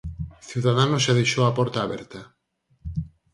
Ciudadanos xa deixou a porta aberta.